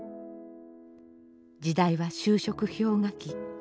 時代は就職氷河期。